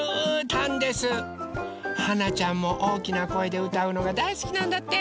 はなちゃんもおおきなこえでうたうのがだいすきなんだって！